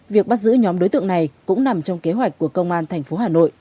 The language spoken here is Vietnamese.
việc bắt giữ nhóm đối tượng này cũng nằm trong kế hoạch của công an thành phố hà nội